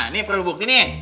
ini perlu bukti nih